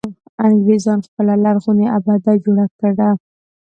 انګرېزانو خپله لرغونې آبده جوړه کړه.